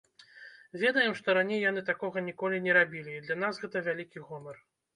Ведаем, што раней яны такога ніколі не рабілі, і для нас гэта вялікі гонар.